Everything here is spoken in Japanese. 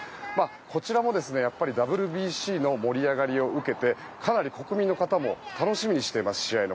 こちらも、やっぱりＷＢＣの盛り上がりを受けてかなり国民の方も、試合のことを楽しみにしています。